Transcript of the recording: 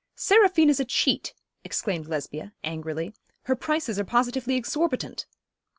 'Seraphine is a cheat!' exclaimed Lesbia, angrily. 'Her prices are positively exorbitant!'